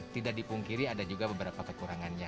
tidak dipungkiri ada juga beberapa kekurangannya